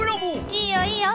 いいよいいよ。